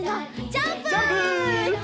ジャンプ！